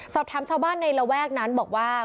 สอบถามชาวบ้านในระแวกนั้นบอกว่า